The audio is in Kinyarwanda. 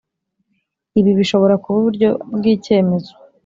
Ibi bishobora kuba uburyo bw icyemezo